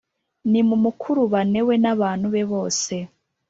Nimumukurubane we n abantu be bose